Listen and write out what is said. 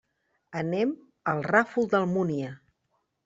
Anem al Ràfol d'Almúnia.